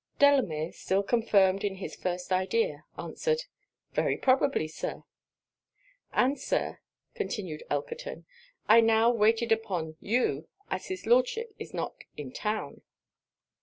Delamere, still confirmed in his first idea, answered, 'very probably, Sir.' 'And, Sir,' continued Elkerton, 'I now waited upon you, as his Lordship is not in town.'